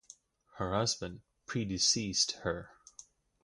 Her husband predeceased her.